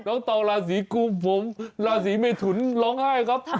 น้องต่อราศรีกลูมฟมราศรีเมถุลร้องไห้ครับ